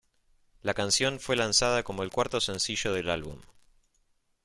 La canción fue lanzada como el cuarto sencillo del álbum.